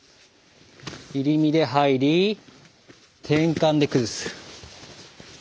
入り身で入り転換で崩す。